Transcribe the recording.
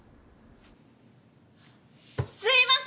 すいません！